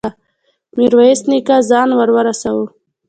ميرويس نيکه ځان ور ورساوه.